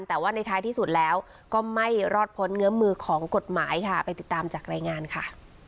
แต่ว่าในท้ายที่สุดแล้วก็ไม่รอดพ้นเงื้อมือของกฎหมายค่ะไปติดตามจากรายงานค่ะ